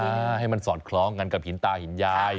เพื่อให้มันสอนคล้องกับหินตาหินยาย